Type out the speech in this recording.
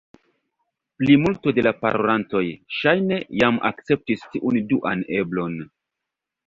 Plimulto de la parolantoj ŝajne jam akceptis tiun duan eblon.